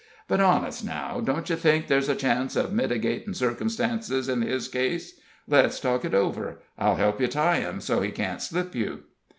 But, honest, now, don't you think there's a chance of mitigatin' circumstances in his case? Let's talk it over I'll help you tie him so he can't slip you."